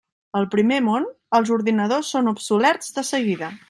Al primer món, els ordinadors són obsolets de seguida.